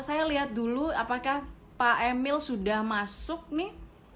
saya lihat dulu apakah pak emil sudah masuk nih